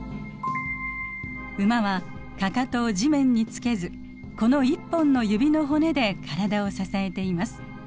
ウマはかかとを地面につけずこの１本の指の骨で体を支えています。